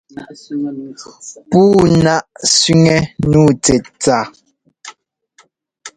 Puu náʼ sẅiŋɛ́ nǔu tsɛtsa.